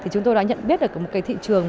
chúng tôi đã nhận biết là có một cái thị trường